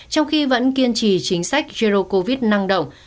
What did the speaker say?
trong khi vẫn kiên trì chính sách jerdo covid năng động